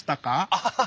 アハハ。